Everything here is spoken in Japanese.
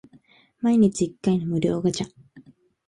毎日一回の無料ガチャ